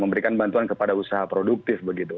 memberikan bantuan kepada usaha produktif begitu